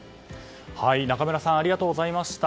仲村さんありがとうございました。